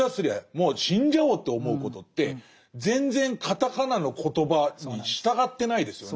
もう死んじゃおうと思うことって全然カタカナのコトバに従ってないですよね。